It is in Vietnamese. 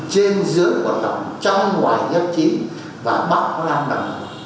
trên dưới quốc tộc trong ngoài nhất trí và bảo làm đồng